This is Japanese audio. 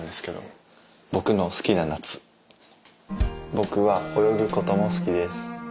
「ぼくは泳ぐこともすきです。